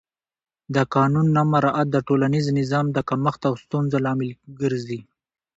د قانون نه مراعت د ټولنیز نظم د کمښت او ستونزو لامل ګرځي